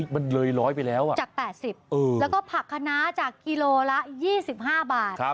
มันเลย๑๐๐ไปแล้วจาก๘๐แล้วก็ผักคณะจากกิโลละ๒๕บาท